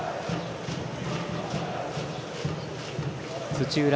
土浦